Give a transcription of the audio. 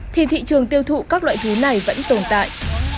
thì thị trường tiêu thụ các loại thú này vẫn tồn tại